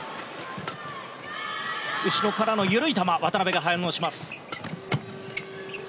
後ろからの緩い球渡辺が反応します。